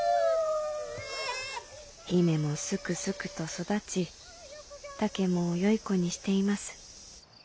「姫もすくすくと育ち竹もよい子にしています。